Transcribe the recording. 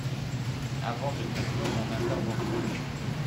Avant de conclure mon intervention